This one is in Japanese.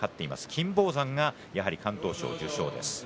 金峰山がやはり敢闘賞受賞です。